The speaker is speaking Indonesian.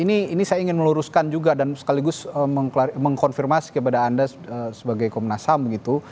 ini saya ingin meluruskan juga dan sekaligus mengkonfirmasi kepada anda sebagai komnas ham begitu